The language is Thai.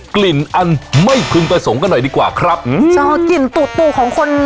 กลิ่นอันไม่พึงประสงค์กันหน่อยดีกว่าครับอืมชอบกลิ่นตูดปูของคน